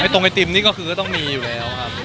ตรงไอติมนี่ก็คือก็ต้องมีอยู่แล้วครับ